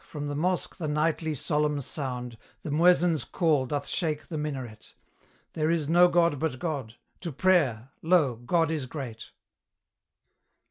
from the mosque the nightly solemn sound, The muezzin's call doth shake the minaret, 'There is no god but God! to prayer lo! God is great!'